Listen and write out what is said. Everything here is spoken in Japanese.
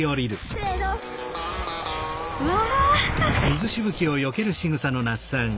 うわ！